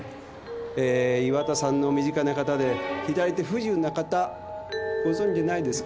えー岩田さんの身近な方で左手不自由な方ご存じないですか？